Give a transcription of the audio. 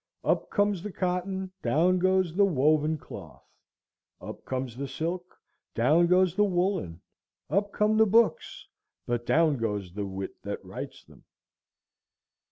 Up comes the cotton, down goes the woven cloth; up comes the silk, down goes the woollen; up come the books, but down goes the wit that writes them.